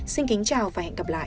xin kính chào và hẹn gặp lại